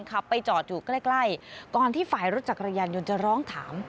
ขับไปจอดอยู่ใกล้ใกล้ก่อนที่ฝ่ายรถจักรยานยนต์จะร้องถาม